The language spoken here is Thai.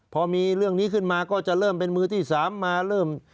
พอมีเรื่องนี้ขึ้นมาก็จะเริ่มเป็นมือที่๓มาเริ่ม